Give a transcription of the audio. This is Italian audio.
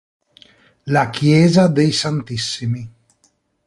La Chiesa dei Ss.